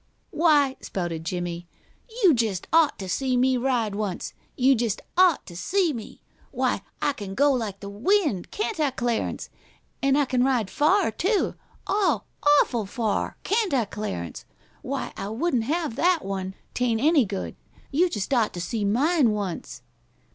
"Why," spouted Jimmie, "you just ought to see me ride once! You just ought to see me! Why, I can go like the wind! Can't I, Clarence? And I can ride far, too oh, awful far! Can't I, Clarence? Why, I wouldn't have that one! 'Tain't any good! You just ought to see mine once!"